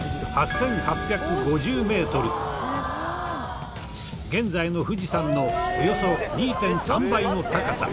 すごい！現在の富士山のおよそ２．３倍の高さ。